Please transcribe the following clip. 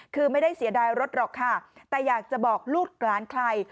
คือไม่ได้เสียดายรถหรอกค่ะแต่อยากจะบอกลูกหลานใคร